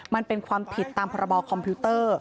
มันเป็นความผิดตามพรบคอมพิวเตอร์